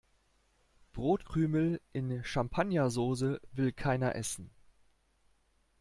Brotkrümel in Champagnersoße will keiner essen.